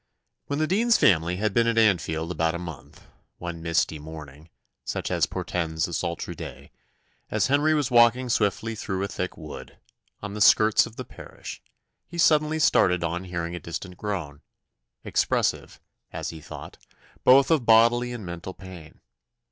When the dean's family had been at Anfield about a month one misty morning, such as portends a sultry day, as Henry was walking swiftly through a thick wood, on the skirts of the parish, he suddenly started on hearing a distant groan, expressive, as he thought, both of bodily and mental pain.